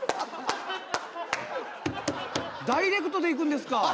ダイレクトでいくんですか。